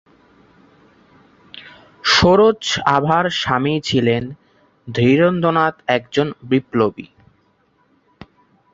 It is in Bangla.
সরোজ আভার স্বামী ছিলেন ধীরেন্দ্রনাথ একজন বিপ্লবী।